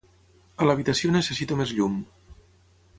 A l'habitació necessito més llum.